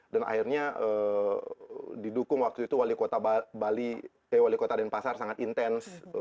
dan akhirnya didukung waktu itu wali kota bali eh wali kota denpasar sangat intens